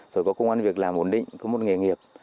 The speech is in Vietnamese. rồi có công an việc làm ổn định có một nghề nghiệp